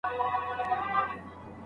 روښان فکران باید طرحې جوړې کړي.